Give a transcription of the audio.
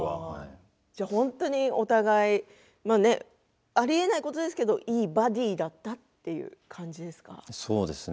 本当に、お互いありえないことですけどいいバディーだったという感じですか。